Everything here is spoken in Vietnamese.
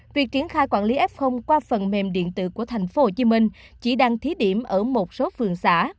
việc triển khai quản lý f qua phần mềm điện tử của thành phố hồ chí minh chỉ đang thí điểm ở một số phường xã